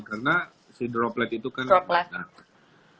karena si droplet itu kan nggak bisa dikendaraan ya kan